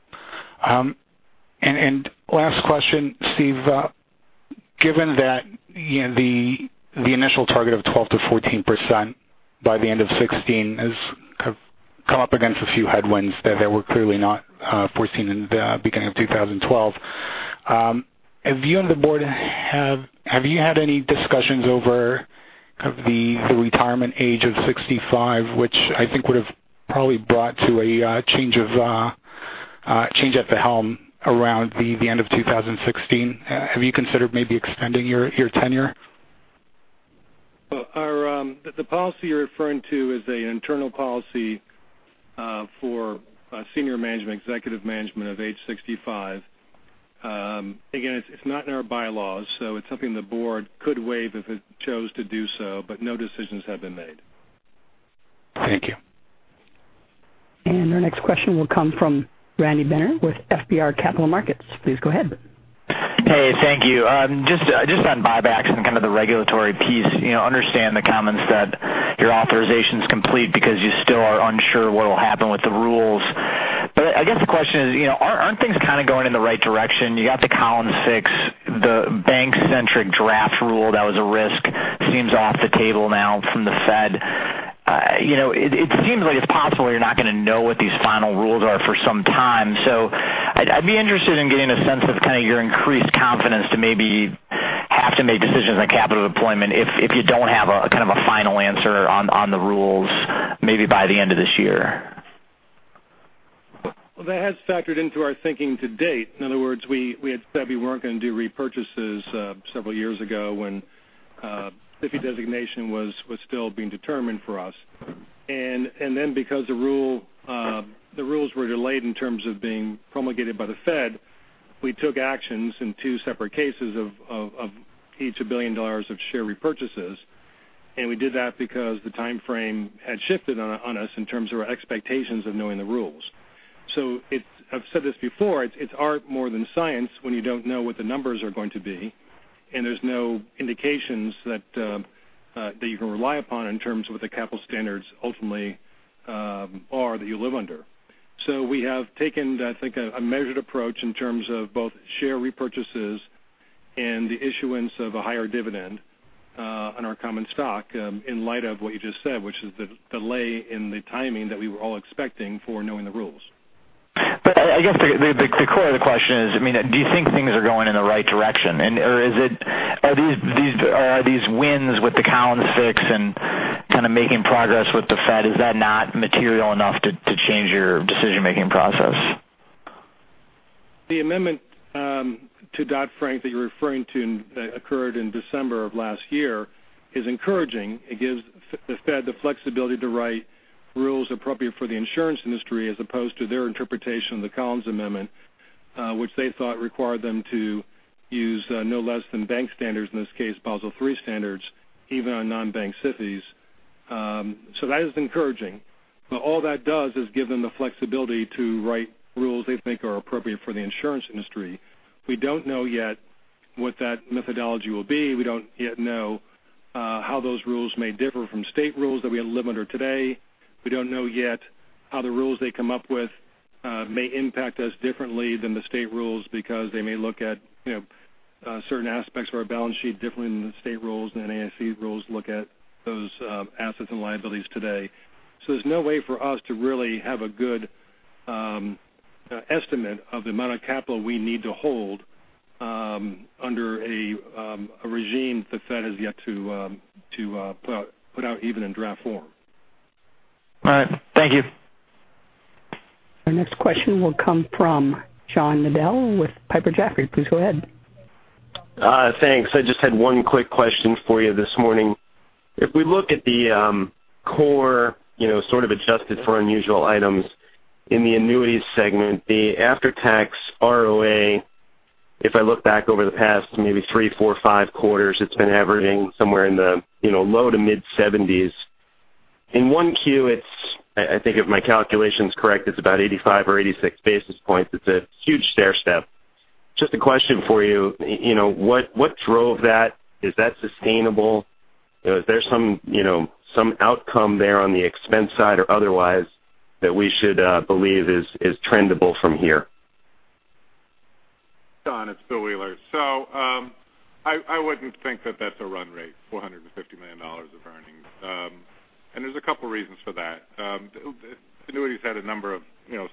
Last question, Steve. Given that the initial target of 12%-14% by the end of 2016 has come up against a few headwinds that were clearly not foreseen in the beginning of 2012, have you and the board had any discussions over the retirement age of 65, which I think would have probably brought to a change at the helm around the end of 2016? Have you considered maybe extending your tenure? Well, the policy you're referring to is an internal policy for senior management, executive management of age 65. It's not in our bylaws, so it's something the board could waive if it chose to do so, but no decisions have been made. Thank you. Our next question will come from Randy Binner with FBR Capital Markets. Please go ahead. Hey, thank you. Just on buybacks and kind of the regulatory piece. I understand the comments that your authorization's complete because you still are unsure what will happen with the rules. I guess the question is, aren't things kind of going in the right direction? You got the Collins VI, the bank-centric draft rule that was a risk seems off the table now from the Fed. It seems like it's possible you're not going to know what these final rules are for some time. I'd be interested in getting a sense of kind of your increased confidence to maybe have to make decisions on capital deployment if you don't have a kind of a final answer on the rules maybe by the end of this year. That has factored into our thinking to date. In other words, we had said we weren't going to do repurchases several years ago when SIFI designation was still being determined for us. Because the rules were delayed in terms of being promulgated by the Federal Reserve, we took actions in two separate cases of each a $1 billion of share repurchases. We did that because the timeframe had shifted on us in terms of our expectations of knowing the rules. I've said this before, it's art more than science when you don't know what the numbers are going to be, and there's no indications that you can rely upon in terms of what the capital standards ultimately are that you live under. We have taken, I think, a measured approach in terms of both share repurchases and the issuance of a higher dividend on our common stock, in light of what you just said, which is the delay in the timing that we were all expecting for knowing the rules. I guess the core of the question is, do you think things are going in the right direction? Are these wins with the Collins Amendment and kind of making progress with the Federal Reserve, is that not material enough to change your decision-making process? The amendment to Dodd-Frank that you're referring to that occurred in December of last year is encouraging. It gives the Federal Reserve the flexibility to write rules appropriate for the insurance industry as opposed to their interpretation of the Collins Amendment, which they thought required them to use no less than bank standards, in this case, Basel III standards, even on non-bank SIFIs. That is encouraging. All that does is give them the flexibility to write rules they think are appropriate for the insurance industry. We don't know yet what that methodology will be. We don't yet know how those rules may differ from state rules that we live under today. We don't know yet how the rules they come up with may impact us differently than the state rules because they may look at certain aspects of our balance sheet differently than the state rules and NAIC rules look at those assets and liabilities today. There's no way for us to really have a good estimate of the amount of capital we need to hold under a regime the Fed has yet to put out, even in draft form. All right. Thank you. Our next question will come from John Nadel with Piper Jaffray. Please go ahead. Thanks. I just had one quick question for you this morning. If we look at the core sort of adjusted for unusual items in the annuities segment, the after-tax ROA, if I look back over the past maybe three, four, five quarters, it's been averaging somewhere in the low to mid-70s. In 1Q, I think if my calculation is correct, it's about 85 or 86 basis points. It's a huge stairstep. Just a question for you. What drove that? Is that sustainable? Is there some outcome there on the expense side or otherwise that we should believe is trendable from here? John, it's William Wheeler. I wouldn't think that that's a run rate, $450 million of earnings. There's a couple reasons for that. Annuities had a number of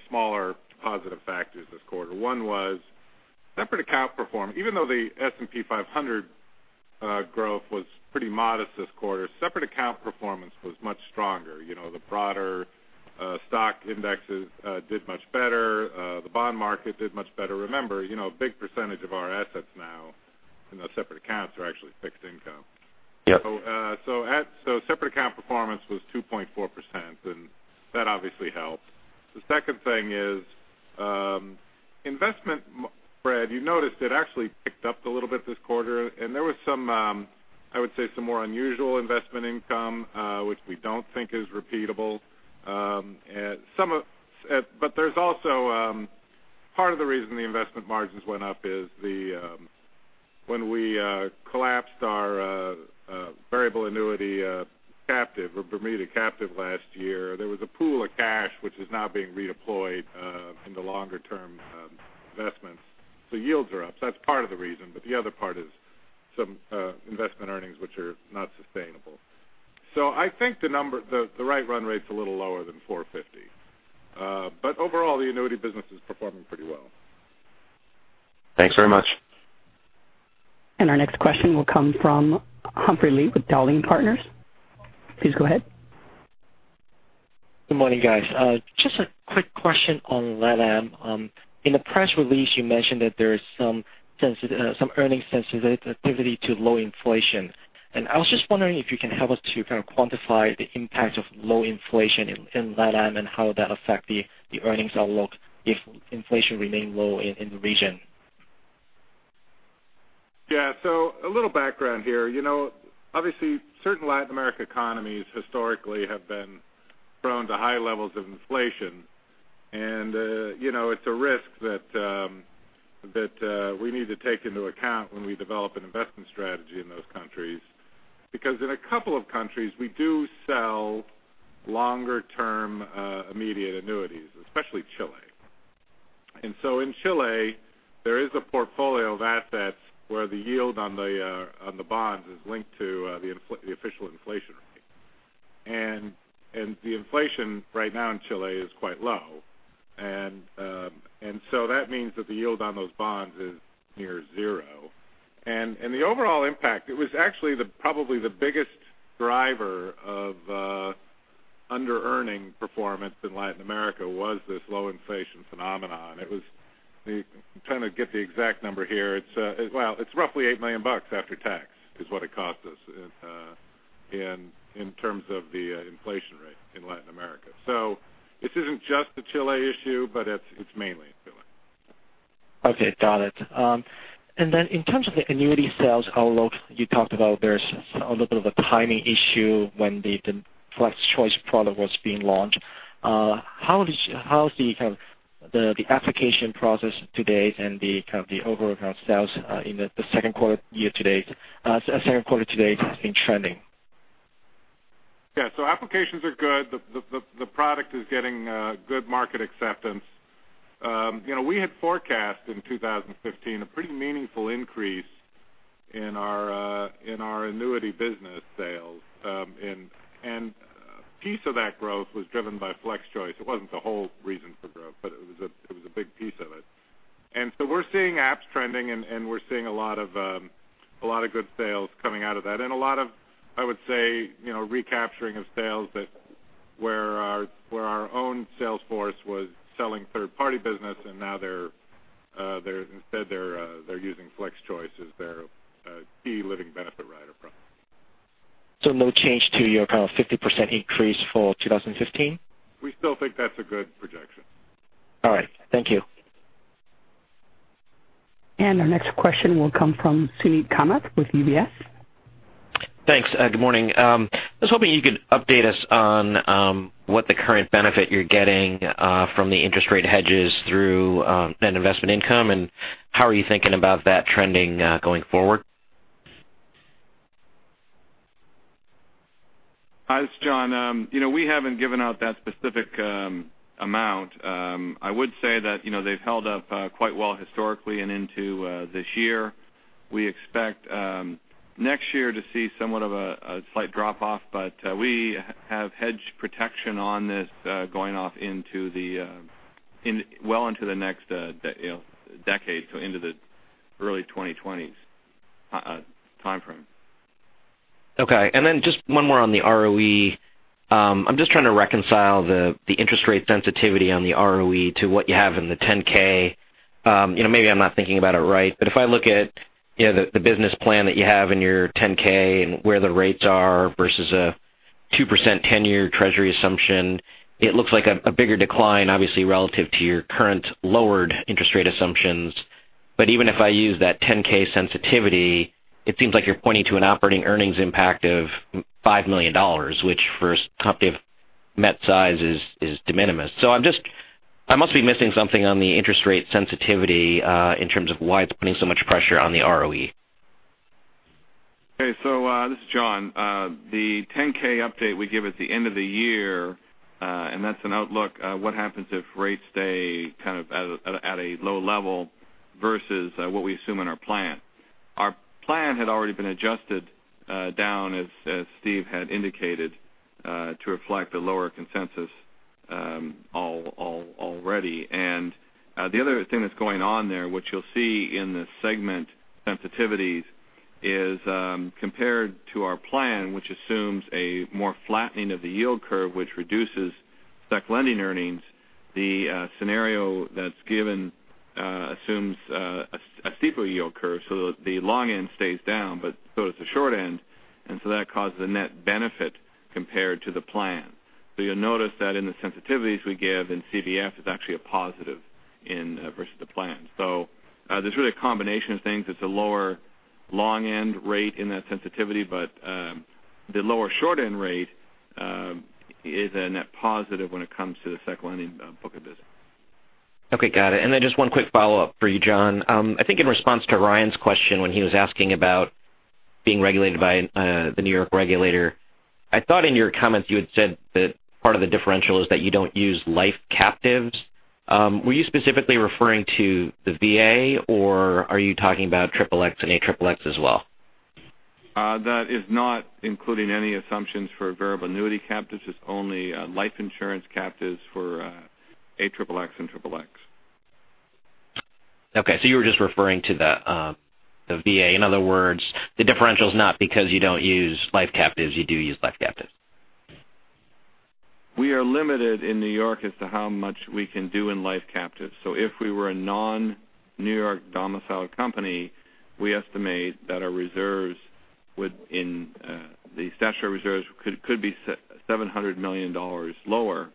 smaller positive factors this quarter. One was separate account performance. Even though the S&P 500 growth was pretty modest this quarter, separate account performance was much stronger. The broader stock indexes did much better. The bond market did much better. Remember, a big percentage of our assets now in the separate accounts are actually fixed income. Yep. Separate account performance was 2.4%, that obviously helped. The second thing is investment spread. You noticed it actually picked up a little bit this quarter, there was I would say, some more unusual investment income, which we don't think is repeatable. There's also part of the reason the investment margins went up is when we collapsed our variable annuity captive or Bermuda captive last year, there was a pool of cash which is now being redeployed into longer-term investments. Yields are up. That's part of the reason. The other part is some investment earnings which are not sustainable. I think the right run rate's a little lower than 450. Overall, the annuity business is performing pretty well. Thanks very much. Our next question will come from Humphrey Lee with Dowling & Partners. Please go ahead. Good morning, guys. Just a quick question on LatAm. In the press release, you mentioned that there is some earning sensitivity to low inflation. I was just wondering if you can help us to kind of quantify the impact of low inflation in LatAm and how that affect the earnings outlook if inflation remain low in the region. Yeah. A little background here. Obviously, certain Latin America economies historically have been prone to high levels of inflation, and it's a risk that we need to take into account when we develop an investment strategy in those countries. Because in a couple of countries, we do sell longer-term immediate annuities, especially Chile. In Chile, there is a portfolio of assets where the yield on the bonds is linked to the official inflation rate. The inflation right now in Chile is quite low. That means that the yield on those bonds is near zero. The overall impact, it was actually probably the biggest driver of underearning performance in Latin America, was this low inflation phenomenon. I'm trying to get the exact number here. Well, it's roughly $8 million after tax, is what it cost us in terms of the inflation rate in Latin America. This isn't just a Chile issue, but it's mainly Chile. Okay. Got it. In terms of the annuity sales outlook, you talked about there's a little bit of a timing issue when the FlexChoice product was being launched. How is the application process today and the overall sales in the second quarter to date has been trending? Yeah. Applications are good. The product is getting good market acceptance. We had forecast in 2015 a pretty meaningful increase in our annuity business sales. A piece of that growth was driven by FlexChoice. It wasn't the whole reason for growth, but it was a big piece of it. We're seeing apps trending, and we're seeing a lot of good sales coming out of that and a lot of, I would say, recapturing of sales where our own sales force was selling third-party business, and now instead they're using FlexChoice as their key living benefit rider product. No change to your kind of 50% increase for 2015? We still think that's a good projection. All right. Thank you. Our next question will come from Suneet Kamath with UBS. Thanks. Good morning. I was hoping you could update us on what the current benefit you're getting from the interest rate hedges through net investment income, and how are you thinking about that trending going forward? Hi, this is John. We haven't given out that specific amount. I would say that they've held up quite well historically and into this year. We expect next year to see somewhat of a slight drop-off, but we have hedge protection on this going off well into the next decade, so into the early 2020s timeframe. Just one more on the ROE. I'm just trying to reconcile the interest rate sensitivity on the ROE to what you have in the 10-K. Maybe I'm not thinking about it right, if I look at the business plan that you have in your 10-K and where the rates are versus a 2% 10-year Treasury assumption, it looks like a bigger decline, obviously, relative to your current lowered interest rate assumptions. Even if I use that 10-K sensitivity, it seems like you're pointing to an operating earnings impact of $5 million, which for a company of Met size is de minimis. I must be missing something on the interest rate sensitivity, in terms of why it's putting so much pressure on the ROE. Okay. This is John. The 10-K update we give at the end of the year, that's an outlook, what happens if rates stay kind of at a low level versus what we assume in our plan. Our plan had already been adjusted down, as Steve had indicated, to reflect a lower consensus already. The other thing that's going on there, which you'll see in the segment sensitivities, is compared to our plan, which assumes a more flattening of the yield curve, which reduces sec lending earnings, the scenario that's given assumes a steeper yield curve, the long end stays down, so does the short end, that causes a net benefit compared to the plan. You'll notice that in the sensitivities we give in CBF, it's actually a positive versus the plan. There's really a combination of things. It's a lower long-end rate in that sensitivity, the lower short-end rate is a net positive when it comes to the sec lending book of business. Okay. Got it. Just one quick follow-up for you, John. I think in response to Ryan's question when he was asking about being regulated by the New York regulator, I thought in your comments you had said that part of the differential is that you don't use life captives. Were you specifically referring to the VA, or are you talking about XXX and AXXX as well? That is not including any assumptions for variable annuity captives. It's only life insurance captives for AXXX and XXX. Okay, you were just referring to the VA. In other words, the differential is not because you don't use life captives. You do use life captives. We are limited in New York as to how much we can do in life captives. If we were a non-New York domiciled company, we estimate that our statutory reserves could be $700 million lower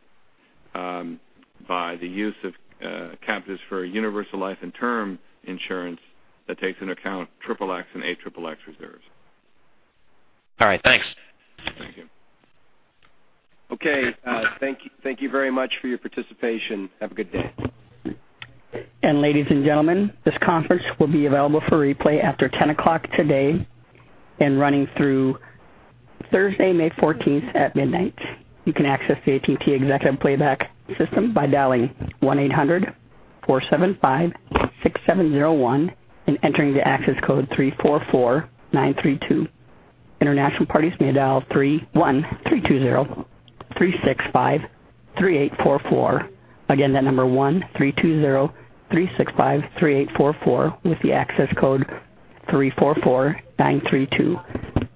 by the use of captives for universal life and term insurance that takes into account XXX and AXXX reserves. All right. Thanks. Thank you. Okay. Thank you very much for your participation. Have a good day. Ladies and gentlemen, this conference will be available for replay after 10:00 today and running through Thursday, May 14th at midnight. You can access the AT&T Executive Playback System by dialing 1-800-475-6701 and entering the access code 344932. International parties may dial 1-320-365-3844. Again, that number 1-320-365-3844 with the access code 344932.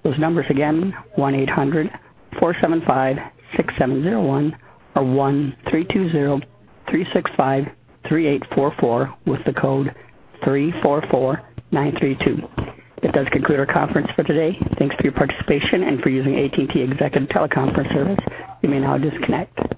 Those numbers again, 1-800-475-6701 or 1-320-365-3844 with the code 344932. This does conclude our conference for today. Thanks for your participation and for using AT&T Executive Teleconference Service. You may now disconnect.